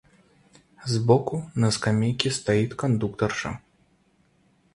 Сбоку на скамейке стоит кондукторша.